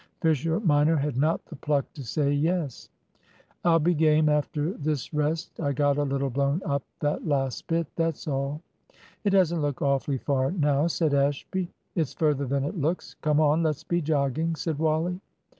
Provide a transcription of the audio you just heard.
Fisher minor had not the pluck to say "Yes." "I'll be game after this rest. I got a little blown up that last bit, that's all." "It doesn't look awfully far now," said Ashby. "It's further than it looks. Come on; let's be jogging," said Wally.